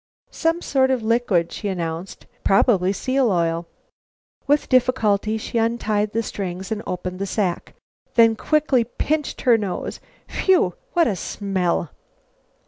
"Some sort of liquid," she announced. "Probably seal oil." With difficulty she untied the strings and opened the sack. Then quickly she pinched her nose. "Whew! What a smell!"